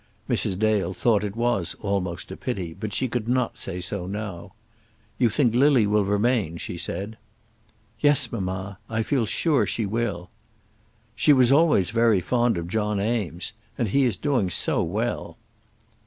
Mrs. Dale thought it was almost a pity, but she could not say so now. "You think Lily will remain," she said. "Yes, mamma; I feel sure she will." "She was always very fond of John Eames; and he is doing so well."